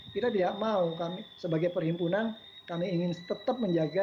kita tidak mau kami sebagai perhimpunan kami ingin tetap menjaga